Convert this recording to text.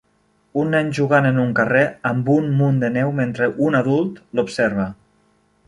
Un nen jugant en un carrer amb un munt de neu mentre un adult l'observa.